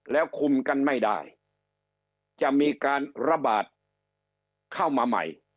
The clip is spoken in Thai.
แล้วคุมกันไม่ได้จะมีการระบาดเข้ามาใหม่